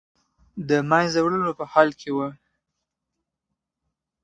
د منځه تللو په حال کې و.